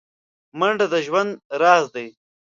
منډه د ژوند راز دی